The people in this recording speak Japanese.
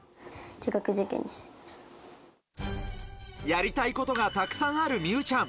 やりたいことがたくさんある美羽ちゃん。